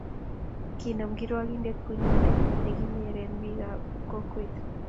kinam kirwokindet bunyonde ne kinyeren biikab kokwet